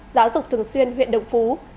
giáo dục thường xuyên huyện đồng phú